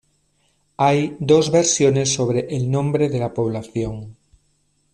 Hay dos versiones sobre el nombre de la población.